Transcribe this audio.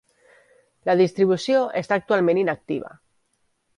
La distribució està actualment inactiva.